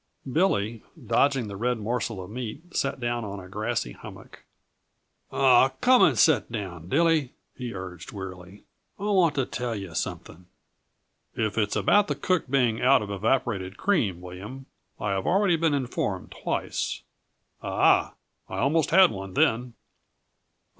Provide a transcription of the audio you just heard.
Billy, dodging the red morsel of meat, sat down on a grassy hummock. "Aw, come and set down, Dilly," he urged wearily. "I want to tell yuh something." "If it's about the cook being out of evaporated cream, William, I have already been informed twice. Ah h! I almost had one then!"